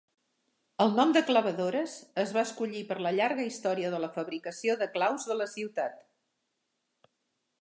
El nom de "clavadores" es va escollir per la llarga història de la fabricació de claus de la ciutat.